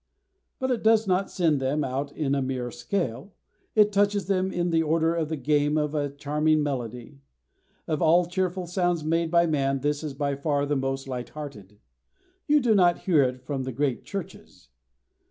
But it does not send them out in a mere scale, it touches them in the order of the game of a charming melody. Of all cheerful sounds made by man this is by far the most light hearted. You do not hear it from the great churches.